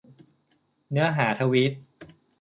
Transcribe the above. เนื้อหาทวีต